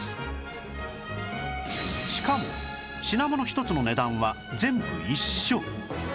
しかも品物１つの値段は全部一緒